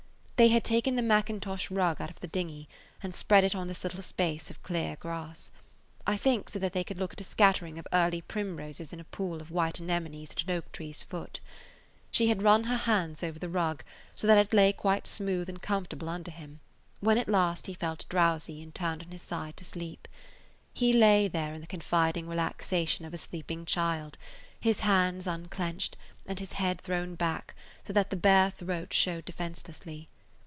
They had taken the mackintosh rug out of the dinghy and spread it on this little space of clear grass, I think so that they could look at a scattering of early primroses in a pool of white anemones at an oak tree's foot. She had run her hands over the rug so that it lay quite smooth and comfortable under him [Page 138] when at last he felt drowsy and turned on his side to sleep. He lay there in the confiding relaxation of a sleeping child, his hands unclenched, and his head thrown back so that the bare throat showed defenselessly.